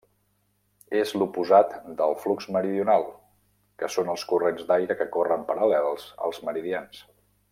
És l'oposat del flux meridional, que són els corrents d'aire que corren paral·lels als meridians.